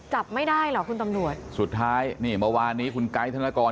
จับไม่ได้เหรอคุณตำรวจสุดท้ายนี่เมื่อวานนี้คุณไกด์ธนกร